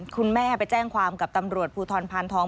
คุณแม่ไปแจ้งความกับตำรวจภูทรพานทอง